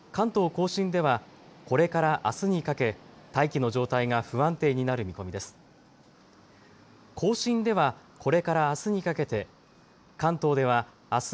甲信では、これからあすにかけ、大気の状態が不安定になる見込みです。